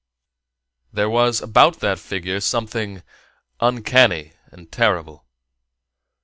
There was about that figure something uncanny and terrible.